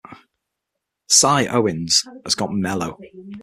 Xia Owens has got mellow.